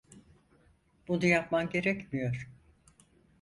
Bunu yapman gerekmiyor.